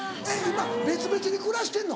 今別々に暮らしてんの？